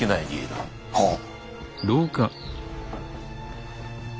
はあ。